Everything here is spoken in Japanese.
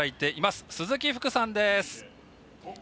鈴木福さんです。